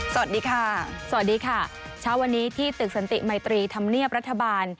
สวัสดีค่ะสวัสดีค่ะเช้าวันนี้ที่ตึกสันติมัยตรีธรรมเนียบรัฐบาล